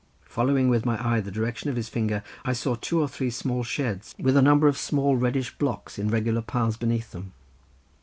Following with my eye the direction of his finger, I saw two or three small sheds with a number of small reddish blocks, in regular piles beneath them.